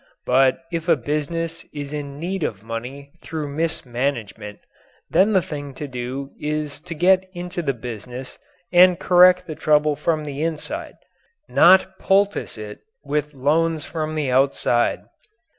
But if a business is in need of money through mismanagement, then the thing to do is to get into the business and correct the trouble from the inside not poultice it with loans from the outside.